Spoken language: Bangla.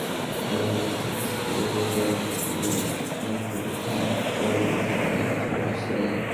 সপ্তম ওভারে মোস্তাফিজকে বেধড়ক পিটিয়ে লক্ষ্যটাকে হাত ছোঁয়া দূরত্বে নিয়ে এসেছেন রাসেল।